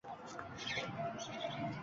Buxoro amirining nahori dasturxoni